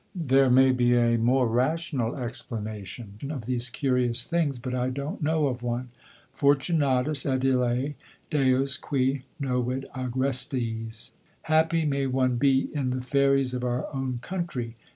There may be a more rational explanation of these curious things, but I don't know of one: Fortunatus et ille, Deos qui novit agrestes! Happy may one be in the fairies of our own country.